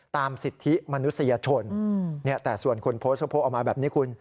ตามสิทธิมนุษยชนแต่ส่วนคุณโพสก็พบออกมาแบบนี้คุณ